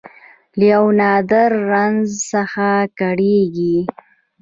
له یو نادر رنځ څخه کړېږي